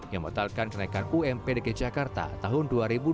yang memotalkan kenaikan ump dg jakarta tahun dua ribu dua puluh dua